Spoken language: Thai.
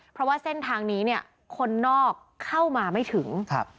เพราะว่าเส้นทางนี้เนี่ยคนนอกเข้ามาไม่ถึงครับ